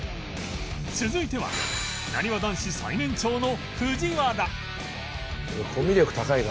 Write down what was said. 続いてはなにわ男子最年長の藤原